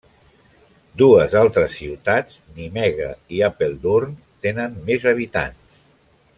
Dues altres ciutats, Nimega i Apeldoorn tenen més habitants.